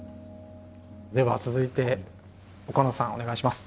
では続いて岡野さんお願いします。